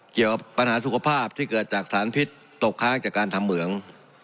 เกี่ยวกับปัญหาสุขภาพที่เกิดจากสารพิษตกค้างจากการทำเหมือง